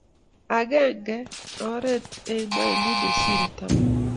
Agenge oret eng' mailit ne sirei taman